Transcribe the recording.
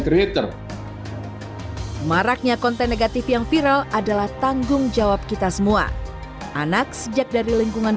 creator maraknya konten negatif yang viral adalah tanggung jawab kita semua anak sejak dari lingkungan